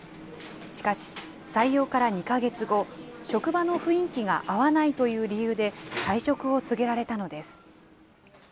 しかし、採用から２か月後、職場の雰囲気が合わないという理由で退職を告げられたのです。